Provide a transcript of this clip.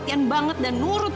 pinggang ketemu kami